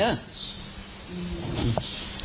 อืม